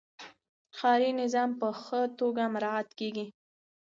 ښاري نظم په ښه توګه مراعات کیږي.